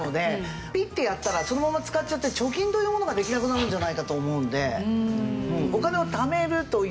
ピッてやったらそのまま使っちゃって貯金というものができなくなるんじゃないかと思うんで。